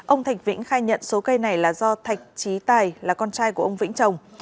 ông thạch vĩnh khai nhận số cây này là do thạch trí tài là con trai của ông vĩnh trồng